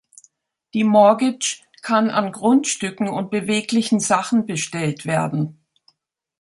Die „Mortgage“ kann an Grundstücken und beweglichen Sachen bestellt werden.